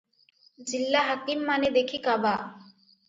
ଜିଲ୍ଲା ହାକିମମାନେ ଦେଖି କାବା ।